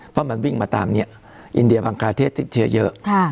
เพราะมันวิ่งมาตามนี้อินเดียบังคลาเทศติดเชื้อเยอะ